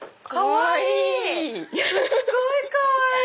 すっごいかわいい！